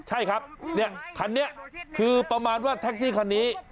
ใช่ครับเนี่ยคันนี้คือประมาณว่าแท็กซี่คันนี้